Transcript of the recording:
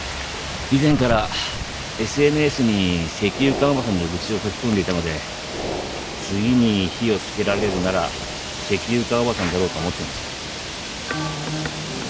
以前からＳＮＳに石油缶オバさんの愚痴を書き込んでいたので次に火をつけられるなら石油缶オバさんだろうと思ってました。